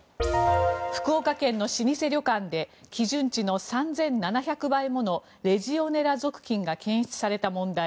福岡県の老舗旅館で基準値の３７００倍ものレジオネラ属菌が検出された問題。